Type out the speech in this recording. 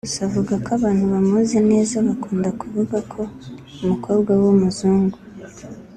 Gusa avuga ko abantu bamuzi neza bakunda kuvuga ko umukobwa we w’umuzungu